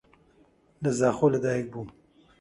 لە زاخۆ لەدایک بووم.